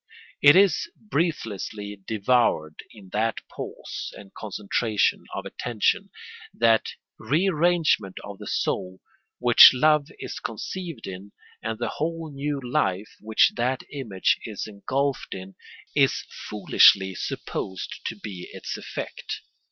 It is breathlessly devoured in that pause and concentration of attention, that rearrangement of the soul, which love is conceived in; and the whole new life which that image is engulfed in is foolishly supposed to be its effect.